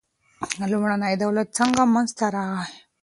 لومړنی دولت څنګه منځ ته راغی.